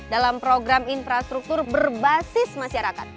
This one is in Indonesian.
dalam program infrastruktur berbasis masyarakat